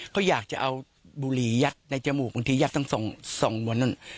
เขาอยากจะเอาบุหรี่ยัดในจมูกบางทียัดทั้งสองบนนั่น